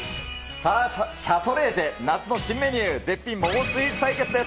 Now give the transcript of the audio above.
さあ、シャトレーゼ、夏の新メニュー、絶品桃スイーツ対決です。